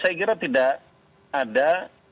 saya kira tidak ada